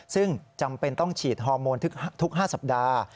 ซึ่งจำเป็นต้องฉีดฮอร์โมนทุก๕สัปดาห์